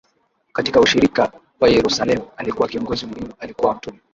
Katika ushirika wa Yerusalemu alikuwa kiongozi muhimu Alikuwa Mtume